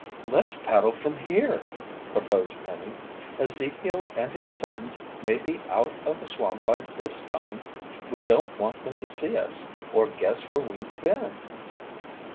"Let's paddle from here," proposed Penny. "Ezekiel and his sons may be out of the swamp by this time. We don't want them to see us or guess where we've been."